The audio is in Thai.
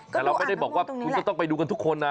แต่เราไม่ได้บอกว่าคุณก็ต้องไปดูกันทุกคนนะ